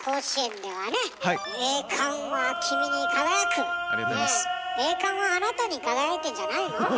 「栄冠はあなたに輝け」じゃないの？